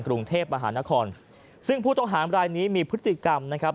กรุงเทพมหานครซึ่งผู้ต้องหามรายนี้มีพฤติกรรมนะครับ